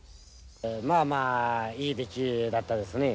まあまあいい出来だったですね。